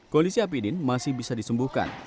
kondisi apidin masih bisa disembuhkan